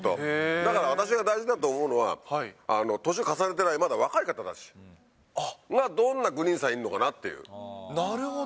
だから、私が大事だと思うのは、年を重ねていないまだ若い方たちが、どんなグリーンさんいるのかなるほど。